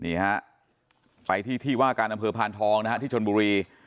นี่ฮะไปที่ที่ว่าการอำเภอพานทองนะฮะที่ชนบุรี